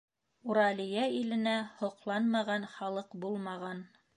Уралиә иленә һоҡланмаған халыҡ булмаған.